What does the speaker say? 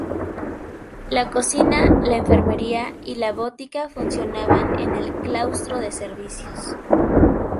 La cocina, la enfermería y la botica funcionaban en el "Claustro de Servicios".